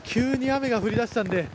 急に雨が降りだしたんで。